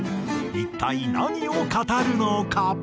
一体何を語るのか？